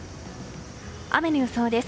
雨の予想です。